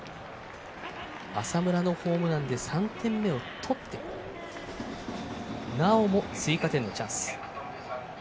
浅村のホームランで３点目を取ってなおも追加点のチャンス。